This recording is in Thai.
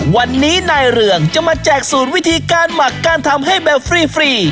วันนี้นายเรืองจะมาแจกสูตรวิธีการหมักการทำให้แบบฟรี